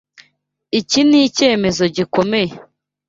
Iki nicyemezo gikomeye.